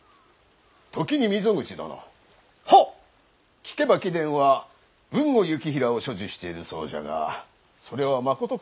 聞けば貴殿は豊後行平を所持しているそうじゃがそれはまことか？